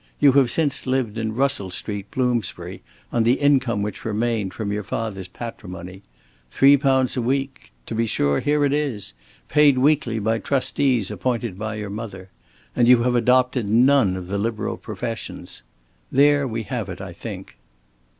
You have since lived in Russell Street, Bloomsbury, on the income which remained from your father's patrimony. Three pounds a week to be sure, here it is paid weekly by trustees appointed by your mother. And you have adopted none of the liberal professions. There we have it, I think."